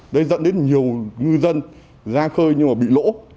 đây dẫn đến nhiều ngư dân gia khơi nhưng mà bị lỗ